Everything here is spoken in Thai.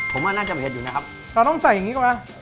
ผมว่าน่าจะเผ็ดอยู่นะครับเราต้องใส่อย่างนี้ก่อนนะ